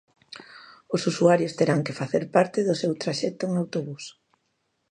Os usuarios terán que facer parte do seu traxecto en autobús.